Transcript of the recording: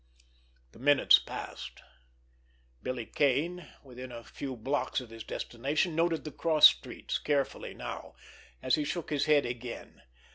The minutes passed. Billy Kane, within a few blocks of his destination, noted the cross streets carefully now, as he shook his head again.